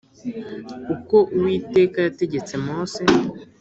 Uko Uwiteka yategetse Mose